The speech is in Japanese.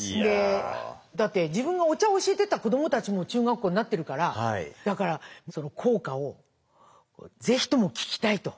だって自分がお茶を教えてた子どもたちも中学校になってるからだから校歌をぜひとも聴きたいと。